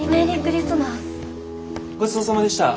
ごちそうさまでした。